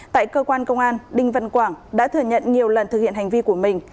tại cơ quan công an đinh văn quảng đã thừa nhận nhiều lần thực hiện hành vi của mình